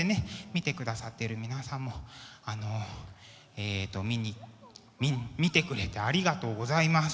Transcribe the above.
見てくださってる皆さんもあのえと見てくれてありがとうございます。